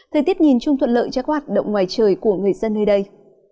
thời tiết nhìn chung thuận lợi cho các hoạt động ngoài trời của người dân nơi đây